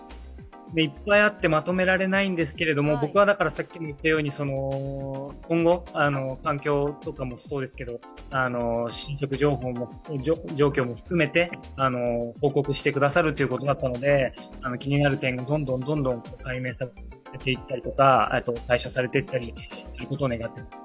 いっぱいあってまとめられないんですけど、僕は今後、環境とかもそうですけど進捗状況も含めて報告してくださるということだったので気になる点がどんどん解明されていったりとか解消されていったりすることを願っています。